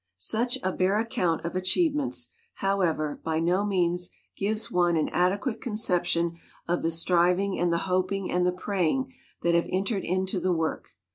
Such a bare account of achievements, however, by no means gives one an adequate conception of the striving and the hoping and the praying that have entered into the work.